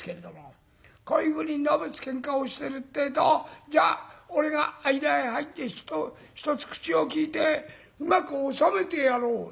こういうふうにのべつ喧嘩をしてるってえと「じゃあ俺が間へ入ってひとつ口を利いてうまく収めてやろう」なんて